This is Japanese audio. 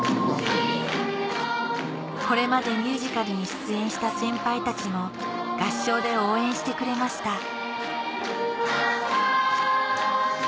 これまでミュージカルに出演した先輩たちも合唱で応援してくれました